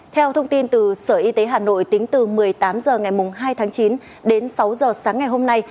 theo thông tin từ sở y tế hà nội tính từ một mươi tám h ngày hai tháng chín đến sáu h sáng ngày hôm nay